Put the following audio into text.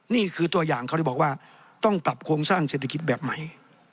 นี่คือตัวอย่างเขาเลยบอกว่าต้องปรับโครงสร้างเศรษฐกิจแบบใหม่